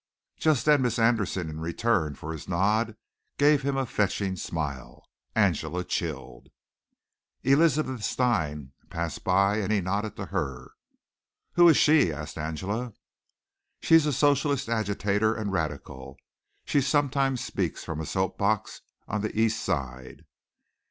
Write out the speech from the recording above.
Just then Miss Anderson in return for his nod gave him a fetching smile. Angela chilled. Elizabeth Stein passed by and he nodded to her. "Who is she?" asked Angela. "She's a socialist agitator and radical. She sometimes speaks from a soap box on the East Side."